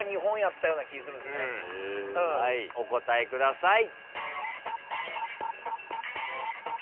はいお答えください。